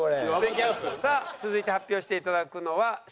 さあ続いて発表していただくのはしんいち。